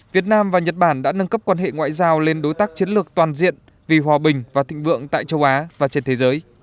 việt nam và nhật bản đã nâng cấp quan hệ ngoại giao lên đối tác chiến lược toàn diện vì hòa bình và thịnh vượng tại châu á và trên thế giới